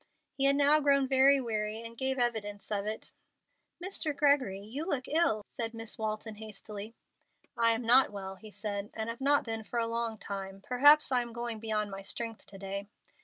He had now grown very weary, and gave evidence of it. "Mr. Gregory, you look ill," said Miss Walton, hastily. "I am not well," he said, "and have not been for a long time. Perhaps I am going beyond my strength to day."